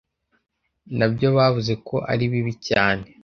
nabyo bavuze ko aribibi cyane.